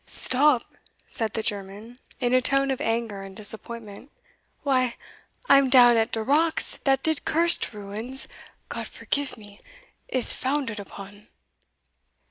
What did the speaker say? "Stop!" said the German, in a tone of anger and disappointment, "why, I am down at de rocks dat de cursed ruins (God forgife me!) is founded upon."